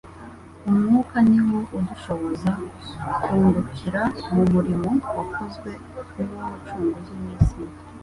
Umwuka ni wo udushoboza kungukira mu murimo wakozwe n'Umucunguzi w'isi.